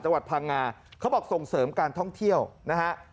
จังหวัดพังงาเขาบอกส่งเสริมการท่องเที่ยวนะฮะ